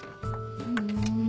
ふん。